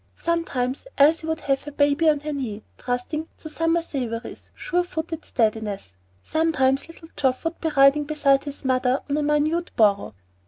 Sometimes Elsie would have her baby on her knee, trusting to "Summer Savory's" sure footed steadiness; sometimes little Geoff would be riding beside his mother on a minute burro.